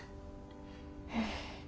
うん。